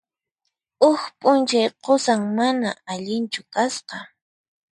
Huk p'unchay qusan mana allinchu kasqa.